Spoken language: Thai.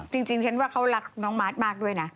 จริงเขารักน้องมาสมากด้วยนะ